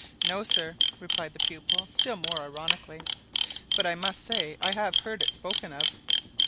"No, sir!" replied the pupil, still more ironically, "but I must say I have heard it spoken of."